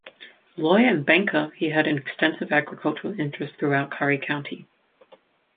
A lawyer and banker, he had extensive agricultural interests throughout Curry County.